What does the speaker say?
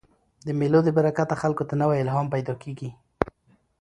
د مېلو له برکته خلکو ته نوی الهام پیدا کېږي.